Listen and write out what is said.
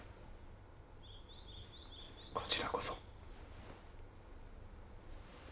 こちらこそ。